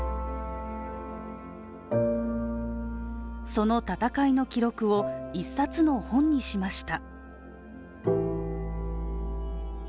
その闘いの記録を、一冊の本にしました。